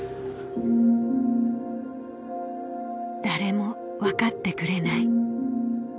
「誰もわかってくれない」